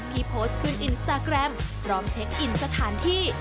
โพสต์ขึ้นอินสตาแกรมพร้อมเช็คอินสถานที่